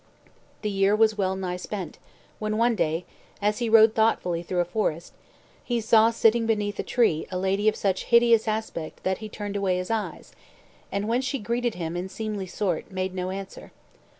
The year was well nigh spent, when one day, as he rode thoughtfully through a forest, he saw sitting beneath a tree a lady of such hideous aspect that he turned away his eyes, and when she greeted him in seemly sort, made no answer.